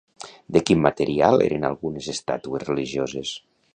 De quin material eren algunes estàtues religioses?